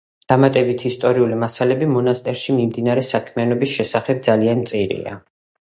დამატებითი ისტორიული მასალები მონასტერში მიმდინარე საქმიანობის შესახებ ძალიან მწირია.